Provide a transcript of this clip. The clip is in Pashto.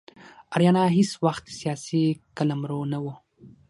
آریانا هیڅ وخت سیاسي قلمرو نه و.